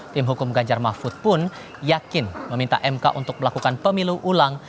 tim hukum ganjar mahfud pun yakin meminta mk untuk melakukan pemilu ulang